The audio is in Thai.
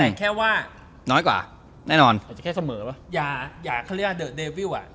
แต่แค่ว่าน้อยกว่าแน่นอนอาจจะแค่เสมอว่าอย่าอย่าเขาเรียกว่าเดอะเดวิลอ่ะ